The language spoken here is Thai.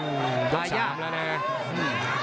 อื้มลด๓แล้วเนี่ย